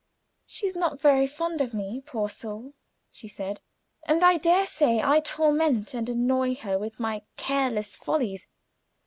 "She is not very fond of me, poor soul," she said, "and I dare say I torment and annoy her with my careless follies.